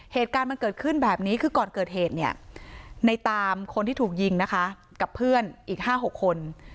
เหตุการณ์มันเกิดขึ้นแบบนี้คือก่อนเกิดเหตุเนี่ยในตามคนที่ถูกยิงนะคะกับเพื่อนอีก๕๖คน